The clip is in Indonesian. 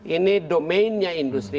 ini domainnya industri